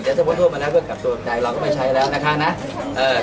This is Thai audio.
แต่ถ้าโทษมาแล้วก็กลับตัวใจเราก็ไม่ใช้แล้วนะครับ